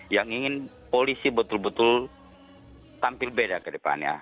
yang ingin polisi betul betul tampil beda ke depannya